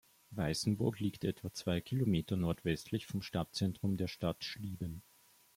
Weißenburg liegt etwa zwei Kilometer nordwestlich vom Stadtzentrum der Stadt Schlieben.